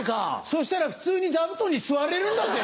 そしたら普通に座布団に座れるんだぜ。